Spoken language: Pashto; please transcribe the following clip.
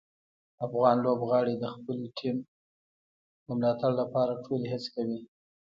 افغان لوبغاړي د خپلې ټیم د ملاتړ لپاره ټولې هڅې کوي.